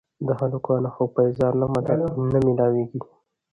د هلکانو ښه پېزار نه مېلاوېږي